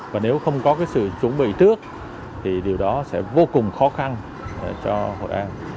và nếu không có sự chuẩn bị trước thì điều đó sẽ vô cùng khó khăn cho hội an